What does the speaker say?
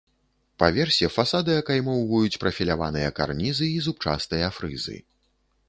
Па версе фасады акаймоўваюць прафіляваныя карнізы і зубчастыя фрызы.